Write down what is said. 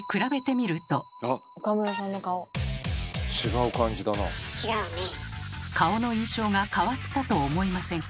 顔の印象が変わったと思いませんか？